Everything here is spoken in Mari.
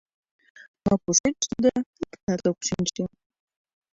Но кушеч тудо, иктат ок шинче.